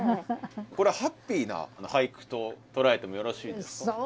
これはハッピーな俳句と捉えてもよろしいですか？